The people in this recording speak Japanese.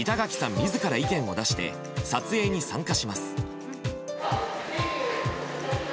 自ら意見を出して撮影に参加します。